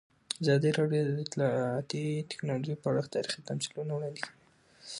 ازادي راډیو د اطلاعاتی تکنالوژي په اړه تاریخي تمثیلونه وړاندې کړي.